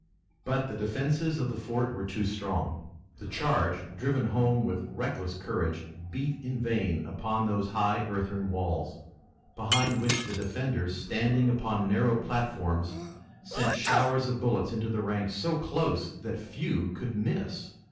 But the defenses of the fort were too strong. The charge, driven home with reckless courage, beat in vain upon those high earthen walls, behind which the defenders, standing upon narrow platforms, sent showers of bullets into ranks so close that few could miss.